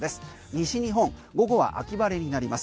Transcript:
西日本午後は秋晴れになります。